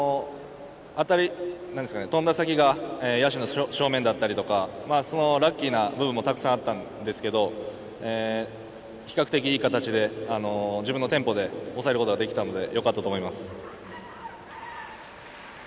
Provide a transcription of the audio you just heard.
飛んだ先が野手の正面だったりとかそういうラッキーな部分もたくさんあったんですけど比較的いい形で自分のテンポで抑えることができたのでよかったと思います。